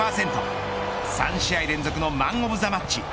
３試合連続のマン・オブ・ザ・マッチ